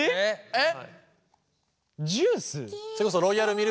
えっ？